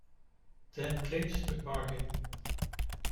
Then clinch the bargain.